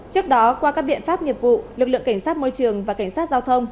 trước đó qua các biện pháp nghiệp vụ lực lượng cảnh sát môi trường và cảnh sát giao thông